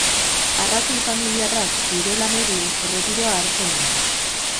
Arrazoi familiarrak direla medio, erretiroa hartzen du.